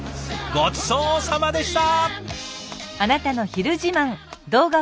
ごちそうさまでした！